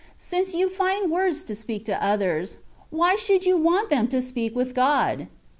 Since you find words to speak to others, why should you want them to speak with God